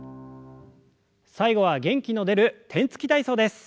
最後は元気の出る天つき体操です。